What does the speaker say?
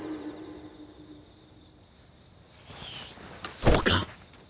そうか。